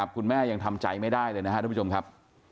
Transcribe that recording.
คุณแม่ยังทำใจไม่ได้เลยนะครับทุกผู้ชมครับ